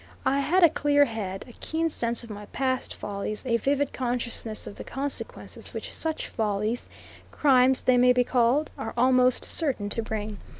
I had a clear head; a keen sense of my past follies; a vivid consciousness of the consequences which such follies, crimes they may be called, are almost certain to bring.